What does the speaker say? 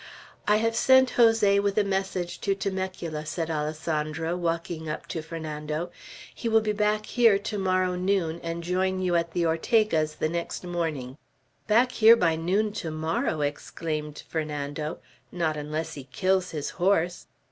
"I have sent Jose with a message to Temecula," said Alessandro, walking up to Fernando. "He will be back here tomorrow noon, and join you at the Ortega's the next morning." "Back here by noon to morrow!" exclaimed Fernando. "Not unless he kills his horse!"